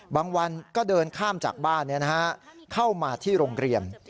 บางวันก็เดินข้ามจากบ้านเข้ามาที่โรงเรียน